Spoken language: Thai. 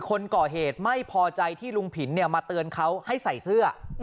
คนก่อเหตุไม่พอใจที่ลุงผินมาเตือนเขาให้ใส่เสื้อ